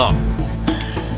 kamu yang dikasih